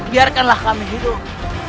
biarkanlah kami hidup